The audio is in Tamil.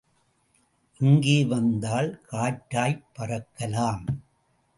இங்கே வந்தால் காற்றாய்ப் பறக்கலாம்.